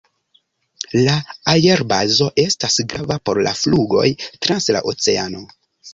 La aerbazo estas grava por la flugoj trans la oceano.